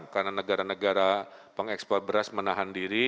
karena negara negara pengekspor beras menahan diri